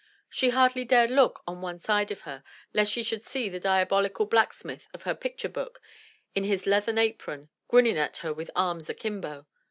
She hardly dared look on one side of her, lest she should see the diabolical blacksmith of her picture book, in his leathern apron, grinning at her with arms akimbo.